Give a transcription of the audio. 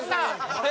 あれ？